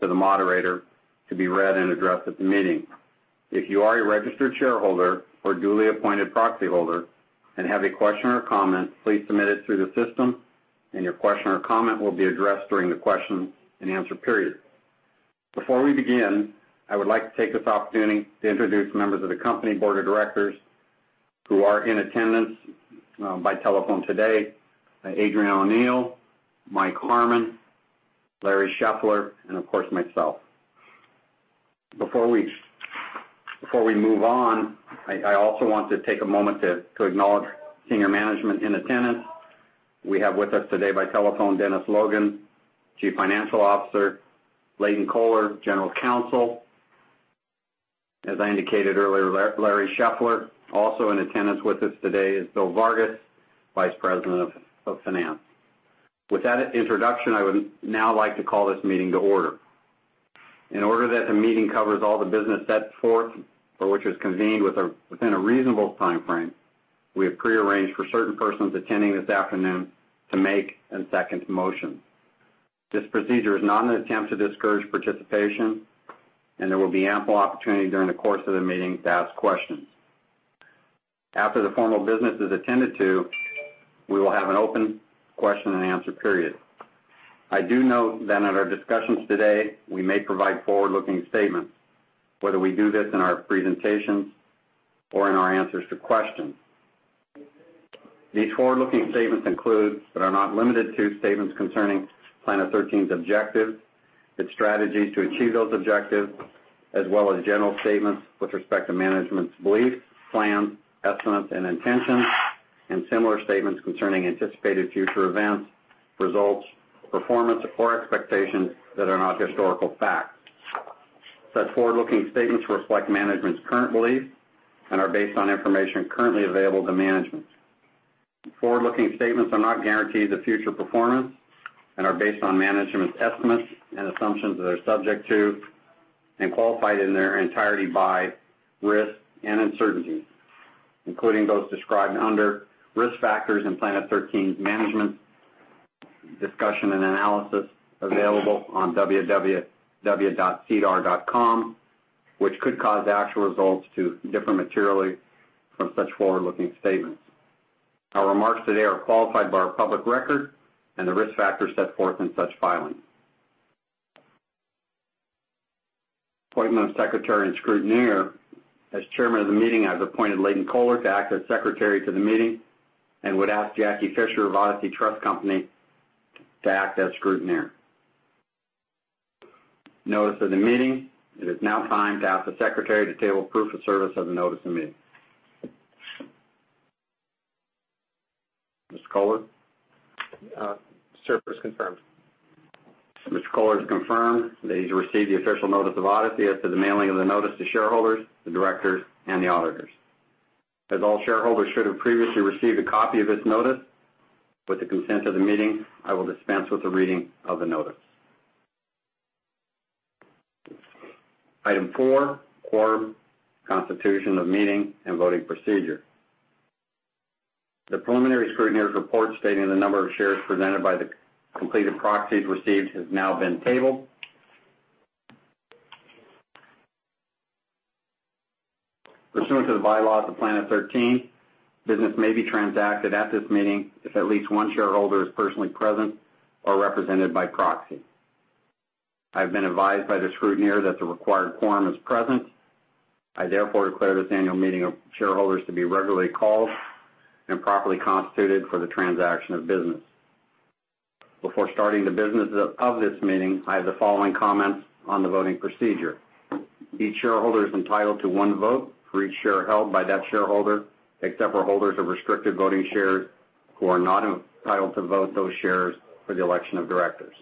To the moderator to be read and addressed at the meeting. If you are a registered shareholder or duly appointed proxy holder and have a question or comment, please submit it through the system and your question or comment will be addressed during the question and answer period. Before we begin, I would like to take this opportunity to introduce members of the company board of directors who are in attendance by telephone today, Adrienne O'Neal, Mike Harman, Larry Scheffler, and of course, myself. Before we move on, I also want to take a moment to acknowledge senior management in attendance. We have with us today by telephone Dennis Logan, Chief Financial Officer, Leighton Koehler, General Counsel. As I indicated earlier, Larry Scheffler. Also in attendance with us today is Bill Vargas, Vice President of Finance. With that introduction, I would now like to call this meeting to order. In order that the meeting covers all the business set forth for which it is convened within a reasonable timeframe, we have pre-arranged for certain persons attending this afternoon to make and second the motion. This procedure is not an attempt to discourage participation, and there will be ample opportunity during the course of the meeting to ask questions. After the formal business is attended to, we will have an open question and answer period. I do note that in our discussions today, we may provide forward-looking statements, whether we do this in our presentations or in our answers to questions. These forward-looking statements include, but are not limited to, statements concerning Planet 13's objectives, its strategies to achieve those objectives, as well as general statements with respect to management's beliefs, plans, estimates, and intentions, and similar statements concerning anticipated future events, results, performance, or expectations that are not historical facts. Such forward-looking statements reflect management's current beliefs and are based on information currently available to management. Forward-looking statements are not guarantees of future performance and are based on management's estimates and assumptions that are subject to and qualified in their entirety by risks and uncertainties, including those described under Risk Factors in Planet 13's management discussion and analysis available on www.sedar.com, which could cause actual results to differ materially from such forward-looking statements. Our remarks today are qualified by our public record and the risk factors set forth in such filings. Appointment of Secretary and Scrutineer. As Chairman of the meeting, I have appointed Leighton Koehler to act as Secretary to the meeting and would ask Jackie Fisher of Odyssey Trust Company to act as Scrutineer. Notice of the meeting. It is now time to ask the Secretary to table a proof of service of the notice of the meeting. Mr. Koehler? Service confirmed. Mr. Koehler has confirmed that you received the official notice of Odyssey as to the mailing of the notice to shareholders, the directors, and the auditors. As all shareholders should have previously received a copy of this notice, with the consent of the meeting, I will dispense with the reading of the notice. Item 4, Quorum, Constitution of Meeting, and Voting Procedure. The preliminary scrutineer's report stating the number of shares presented by the completed proxies received has now been tabled. Pursuant to the bylaws of Planet 13, business may be transacted at this meeting if at least one shareholder is personally present or represented by proxy. I've been advised by the scrutineer that the required quorum is present. I therefore declare this annual meeting of shareholders to be regularly called and properly constituted for the transaction of business. Before starting the business of this meeting, I have the following comments on the voting procedure. Each shareholder is entitled to one vote for each share held by that shareholder, except for holders of restricted voting shares who are not entitled to vote those shares for the election of directors.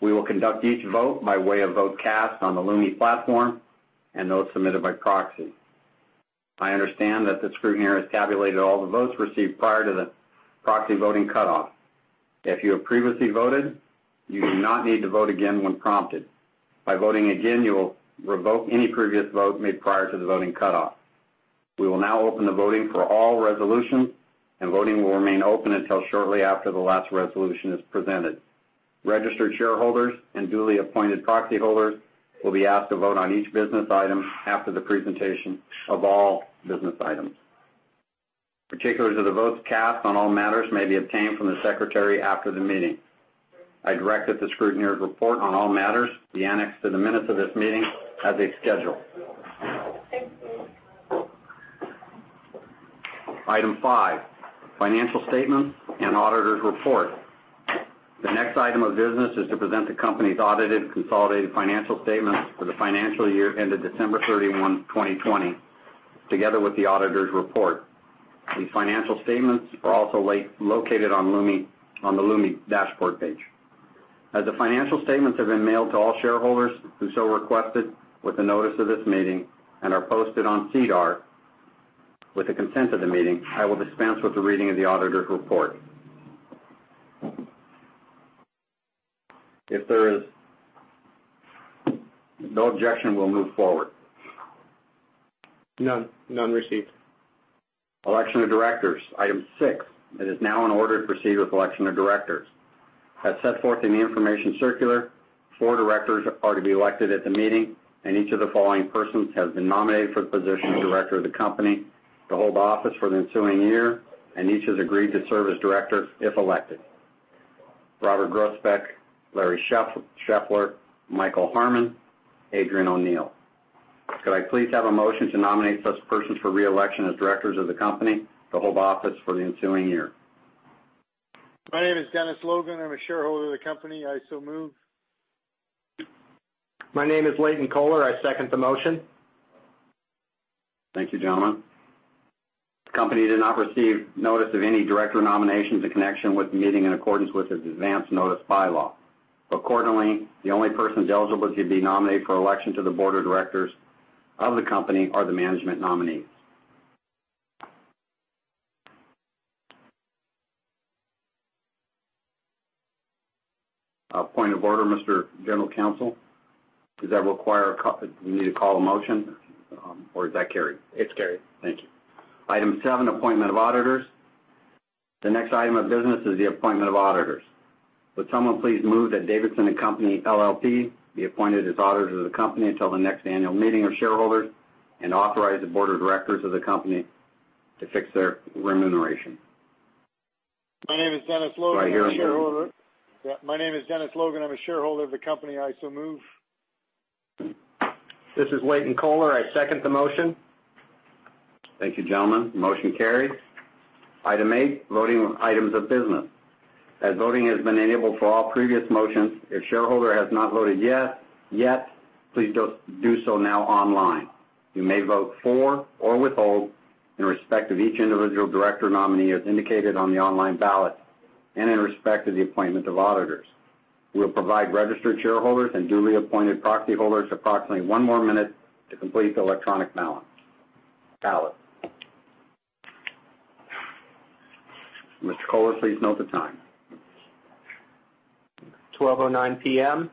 We will conduct each vote by way of vote cast on the Lumi platform and those submitted by proxy. I understand that the scrutineer has tabulated all the votes received prior to the proxy voting cutoff. If you have previously voted, you do not need to vote again when prompted. By voting again, you will revoke any previous vote made prior to the voting cutoff. We will now open the voting for all resolutions. Voting will remain open until shortly after the last resolution is presented. Registered shareholders and duly appointed proxy holders will be asked to vote on each business item after the presentation of all business items. Particulars of the votes cast on all matters may be obtained from the Secretary after the meeting. I direct that the scrutineer's report on all matters be annexed to the minutes of this meeting as a schedule. Item 5, Financial Statements and Auditor's Report. The next item of business is to present the company's audited, consolidated financial statements for the financial year ended December 31, 2020, together with the auditor's report. These financial statements are also located on the Lumi dashboard page. As the financial statements have been mailed to all shareholders who so requested with the notice of this meeting and are posted on SEDAR, with the consent of the meeting, I will dispense with the reading of the auditor's report. If there is no objection, we'll move forward. None. None received. Election of Directors, Item 6. It is now in order to proceed with election of directors. As set forth in the information circular, four directors are to be elected at the meeting, and each of the following persons has been nominated for the position of director of the company to hold office for the ensuing year, and each has agreed to serve as director if elected. Robert Groesbeck, Larry Scheffler, Michael Harman, Adrienne O'Neal. Could I please have a motion to nominate such persons for re-election as directors of the company to hold office for the ensuing year? My name is Dennis Logan. I'm a shareholder of the company. I so move. My name is Leighton Koehler. I second the motion. Thank you, gentlemen. The company did not receive notice of any director nominations in connection with the meeting in accordance with its advanced notice bylaw. Accordingly, the only persons eligible to be nominated for election to the Board of Directors of the company are the management nominees. Point of order, Mr. General Counsel. Does that require me to call a motion, or is that carried? It's carried. Thank you. Item 7, Appointment of Auditors. The next item of business is the appointment of auditors. Would someone please move that Davidson & Company LLP be appointed as auditors of the company until the next annual meeting of shareholders and authorize the Board of Directors of the company to fix their remuneration. My name is Dennis Logan. Do I hear a move? Yeah. My name is Dennis Logan. I'm a shareholder of the company. I so move. This is Leighton Koehler. I second the motion. Thank you, gentlemen. Motion carried. Item 8, Voting on Items of Business. As voting has been enabled for all previous motions, if shareholder has not voted yet, please do so now online. You may vote for or withhold in respect of each individual director nominee as indicated on the online ballot and in respect of the appointment of auditors. We will provide registered shareholders and duly appointed proxy holders approximately one more minute to complete the electronic ballot. Mr. Koehler, please note the time. 12:09 P.M.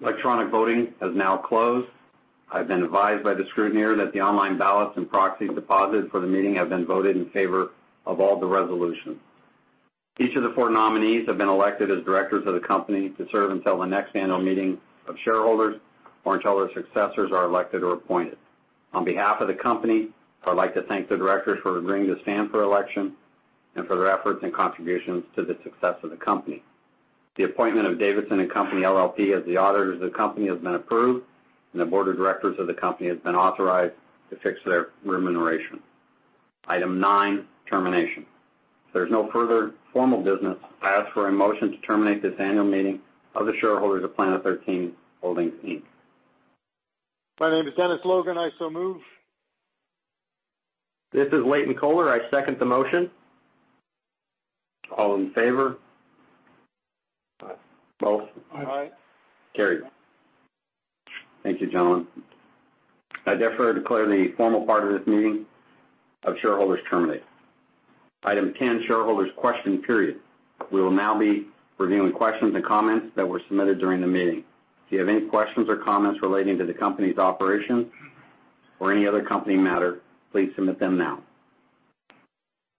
Electronic voting has now closed. I've been advised by the scrutineer that the online ballots and proxy deposits for the meeting have been voted in favor of all the resolutions. Each of the four nominees have been elected as directors of the company to serve until the next annual meeting of shareholders or until their successors are elected or appointed. On behalf of the company, I'd like to thank the directors for agreeing to stand for election and for their efforts and contributions to the success of the company. The appointment of Davidson & Company LLP as the auditors of the company has been approved, and the board of directors of the company has been authorized to fix their remuneration. Item 9, Termination. There's no further formal business. I ask for a motion to terminate this annual meeting of the shareholders of Planet 13 Holdings Inc. My name is Dennis Logan, I so move. This is Leighton Koehler. I second the motion. All in favor? Aye. Opposed? Aye. Aye. Carried. Thank you, gentlemen. I therefore declare the formal part of this meeting of shareholders terminated. Item 10, Shareholders' Questions period. We will now be reviewing questions and comments that were submitted during the meeting. If you have any questions or comments relating to the company's operations or any other company matter, please submit them now.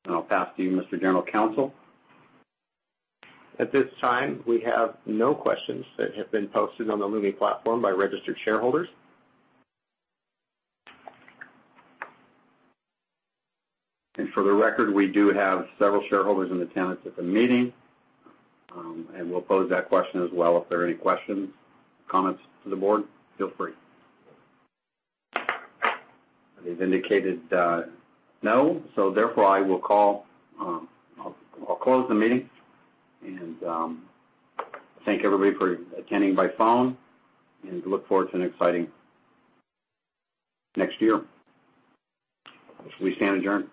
I'll pass to you, Mr. General Counsel. At this time, we have no questions that have been posted on the Lumi platform by registered shareholders. For the record, we do have several shareholders in attendance at the meeting, and we'll pose that question as well. If there are any questions, comments to the board, feel free. It is indicated that no. Therefore, I'll close the meeting and thank everybody for attending by phone and look forward to an exciting next year. We stand adjourned.